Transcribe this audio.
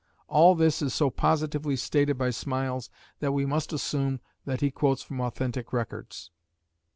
All this is so positively stated by Smiles that we must assume that he quotes from authentic records.